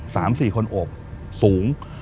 สามสี่คนโอบสูง